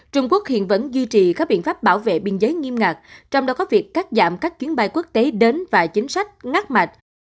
trung quốc hiện vẫn duy trì các biện pháp bảo vệ biên giới nghiêm ngặt trong đó có việc cắt giảm các chuyến bay quốc tế đến và chính sách ngát mạch